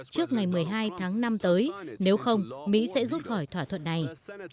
trước ngày một mươi hai tháng năm tới nếu không mỹ sẽ rút khỏi thỏa thuận này